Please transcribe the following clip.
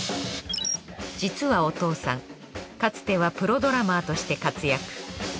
実はお父さんかつてはプロドラマーとして活躍。